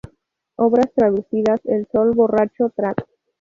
Obras traducidas: "El sol borracho", trad.